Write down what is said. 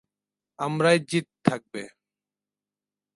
আমারই জিত থাকবে।